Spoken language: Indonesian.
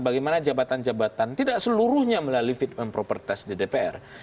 bagaimana jabatan jabatan tidak seluruhnya melalui fit and proper test di dpr